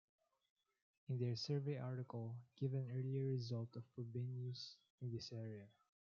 In their survey article, give an earlier result of Frobenius in this area.